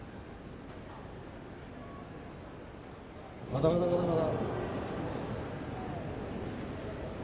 まだまだ。